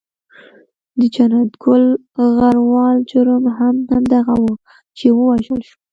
د جنت ګل غروال جرم هم همدغه وو چې و وژل شو.